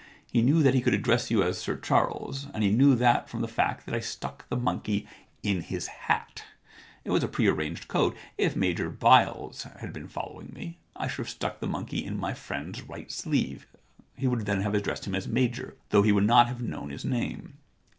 He knew that he could address you as Sir Charles, and he knew that from the fact that I stuck the monkey in his hat. It was a prearranged code. If Major Byles ii8 The Identity Problem had been following me, I should have stuck the monkey in my friend's right sleeve. He would then have addressed him as Major, though he would not have known his name.